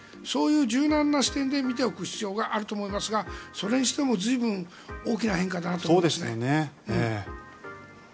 そういう柔軟な視点で見ておく必要があると思いますがそれにしても随分大きな変化だと思いますね。